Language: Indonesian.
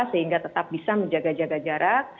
sehingga tetap bisa menjaga jaga jarak